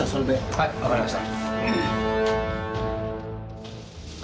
はい分かりました。